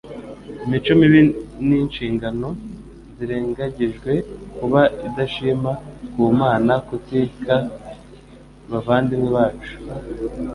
Imico mibi, inshingano zirengagijwe, kuba indashima ku Mana, kutita ku bavandimwe bacu,